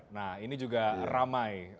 nah ini juga ramai